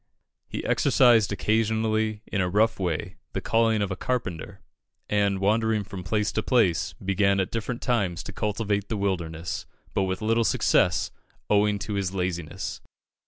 He exercised occasionally in a rough way the calling of a carpenter, and, wandering from place to place, began at different times to cultivate the wilderness, but with little success, owing to his laziness.